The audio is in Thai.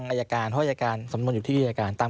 แล้วใครเป็นคนสอบต้องเป็นกองปราบ